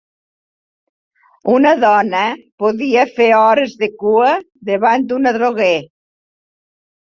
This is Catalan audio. Una dona podia fer hores de cua davant un adroguer